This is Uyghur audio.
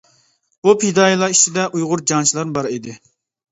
بۇ پىدائىيلار ئىچىدە ئۇيغۇر جەڭچىلەرمۇ بار ئىدى.